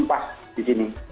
jadi pas di sini